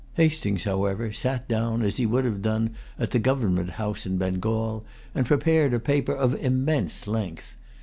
Hastings, however, sat down as he would have done at the Government House in Bengal, and prepared a paper of immense length.